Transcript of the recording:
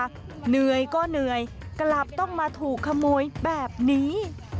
เหนื่อยก็เหนื่อยกลับต้องมาถูกขโมยแบบนี้